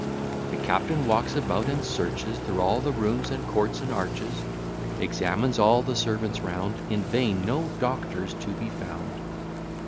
The captain walks about, and searches Through all the rooms, and courts, and arches; Examines all the servants round, In vain no doctor's to be found.